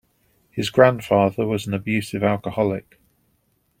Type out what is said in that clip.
His grandfather was an abusive alcoholic.